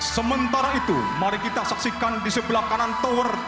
sementara itu mari kita saksikan di sebelah kanan tower